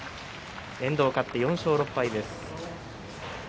遠藤、勝って４勝６敗です。